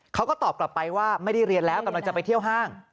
เขาก็ตอบกลับไปว่าไม่ได้เรียนแล้วกำลังจะไปเที่ยวห้าง